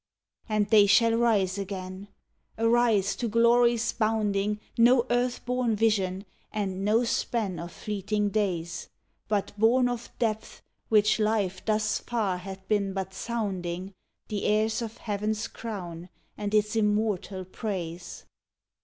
"And they shall rise again!" Arise to glories bounding No earth born vision, and no span of fleeting days, But, born of depths which life thus far had been but sounding, The heirs of Heaven's crown and its immortal praise!